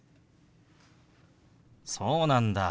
そうなんだ。